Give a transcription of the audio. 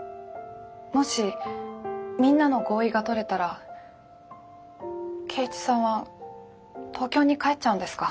もしみんなの合意が取れたら圭一さんは東京に帰っちゃうんですか？